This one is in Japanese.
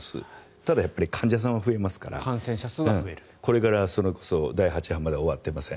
ただ、やっぱり患者さんは増えますからこれから第８波はまだ終わっていません。